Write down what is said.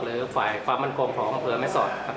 หรือฝ่ายความมั่นคงของอำเภอแม่สอดนะครับ